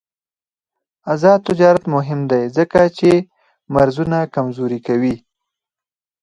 آزاد تجارت مهم دی ځکه چې مرزونه کمزوري کوي.